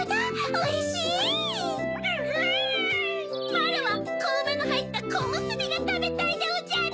まろはこうめのはいったこむすびがたべたいでおじゃる。